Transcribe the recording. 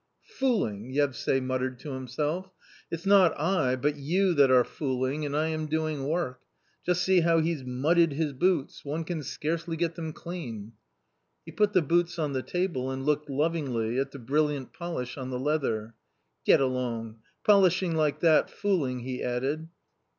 " Fooling !" Yevsay muttered to himself; " it's not I but you that are fooling, and I am doing work. Just see how he's mudded his boots, one can scarcely get them clean." He put the boots on the table and looked lovingly at the brilliant polish on the leather. " Get along ! polishing like that fooling !" he added.